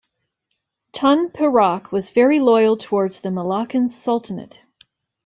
Tun Perak was very loyal towards the Malaccan Sultanate.